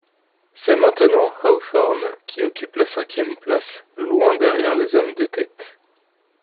C'est maintenant Hawthorn qui occupe la cinquième place, loin derrière les hommes de tête.